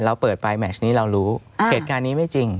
เราเปิดปลายแมชนี้เรารู้เหตุการณ์นี้ไม่จริง